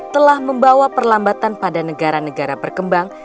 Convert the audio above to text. telah membawa perlambatan pada negara negara berkembang